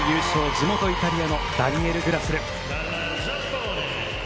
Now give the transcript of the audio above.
地元イタリアのダニエル・グラスル。